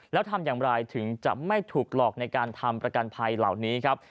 แล้วทำอย่างไรถึงจะไม่ถูกหลอกในการทำประกันภัยเหล่านี้ครับ